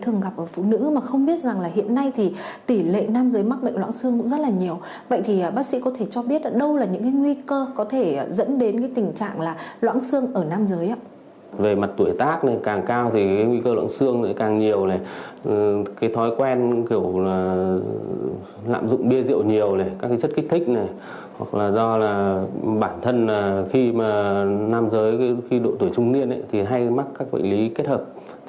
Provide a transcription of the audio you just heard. nhiều các chất kích thích hoặc là do bản thân khi mà nam giới độ tuổi trung niên thì hay mắc các bệnh lý kết hợp